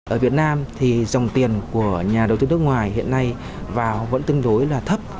ở việt nam thì dòng tiền của nhà đầu tư nước ngoài hiện nay vào vẫn tương đối là thấp